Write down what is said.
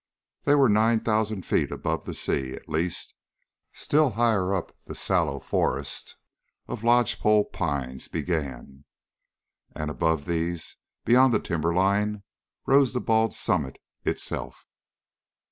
They were nine thousand feet above the sea, at least. Still higher up the sallow forest of lodgepole pines began; and above these, beyond the timberline, rose the bald summit itself.